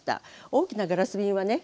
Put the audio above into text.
大きなガラス瓶はね